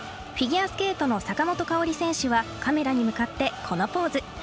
フィギュアスケートの坂本花織選手はカメラに向かってこのポーズ。